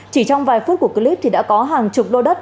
chỉ trong vài phút của clip thì đã có hàng chục đô đất